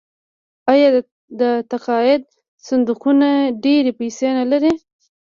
آیا د تقاعد صندوقونه ډیرې پیسې نلري؟